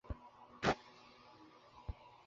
S, আমরা সকলে সেই অবস্থা আনয়ন করিবার জন্য সাহায্য করি।